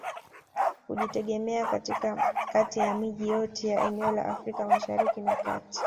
Kujitegemea kati ya miji yote ya eneo la Afrika masahariki na kati